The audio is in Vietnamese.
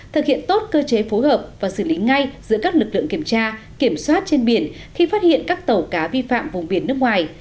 thực hiện tốt cơ chế phối hợp và xử lý ngay giữa các lực lượng kiểm tra kiểm soát trên biển khi phát hiện các tàu cá vi phạm vùng biển nước ngoài